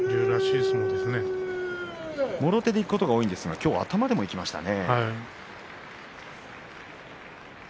もろ手でいくことが多いんですが今日は頭でいきましたね。